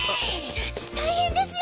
大変ですよ！